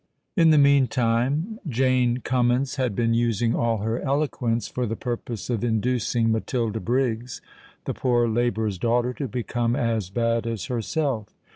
In the meantime Jane Cummins had been using all her eloquence for the purpose of inducing Matilda Briggs, the poor labourer's daughter, to become as bad as herself.